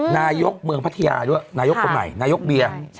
นายกเมืองพัทยาด้วยนายกบรรไหนนายกเบียง